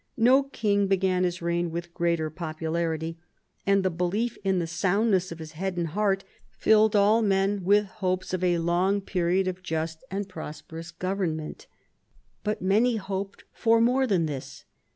No king began his reign with greater popularity, and the belief in the soundness of his head and heart filled all men with hopes of a long period of just and prosperous government But many hoped for more than this.